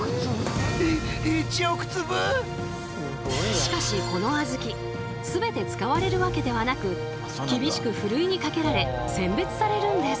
しかしこのあずき全て使われるわけではなく厳しくふるいにかけられ選別されるんです。